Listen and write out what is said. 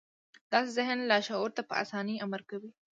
داسې ذهن لاشعور ته په اسانۍ امر کوي